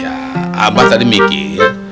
ya abah tadi mikir